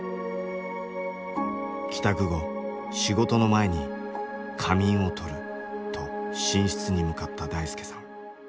帰宅後仕事の前に「仮眠をとる」と寝室に向かった大輔さん。